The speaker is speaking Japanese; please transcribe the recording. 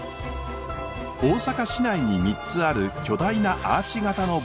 大阪市内に３つある巨大なアーチ型の防潮水門。